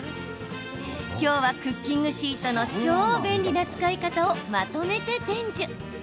きょうは、クッキングシートの超便利な使い方をまとめて伝授。